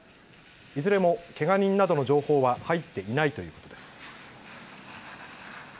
いずれも、けが人などの情報は入っていないということです。